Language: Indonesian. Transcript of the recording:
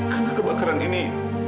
karena kebakaran ini